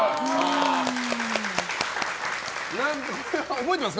覚えてますか？